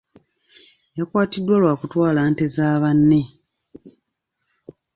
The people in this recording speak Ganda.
Yakwatiddwa lwa kutwala nte za banne.